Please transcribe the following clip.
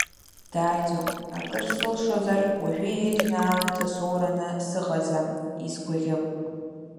Дааиӡом, акыр сылшозар уажәы еиӷьны аамҭа соураны сыҟаӡам, изгәаӷьып.